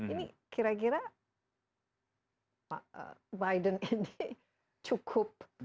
ini kira kira biden ini cukup